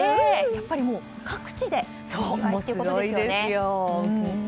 やっぱり各地で再開ということですよね。